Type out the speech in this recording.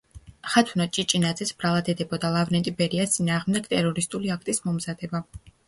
ხათუნა ჭიჭინაძეს ბრალად ედებოდა ლავრენტი ბერიას წინააღმდეგ ტერორისტული აქტის მომზადება.